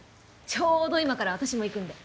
ちょうど今から私も行くんで。